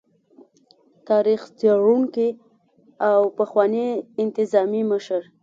تاريخ څيړونکي او پخواني انتظامي مشر